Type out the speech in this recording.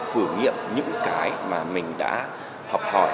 thử nghiệm những cái mà mình đã học hỏi